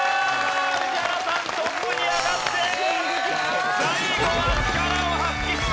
宇治原さんトップに上がって最後は力を発揮した！